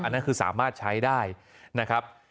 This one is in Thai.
นั่นคือสามารถใช้ได้นะครับ